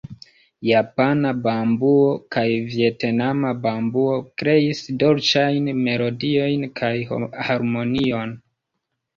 Japana bambuo kaj vjetnama bambuo kreis dolĉajn melodiojn kaj harmonion.